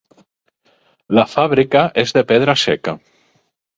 La fàbrica és de pedra seca.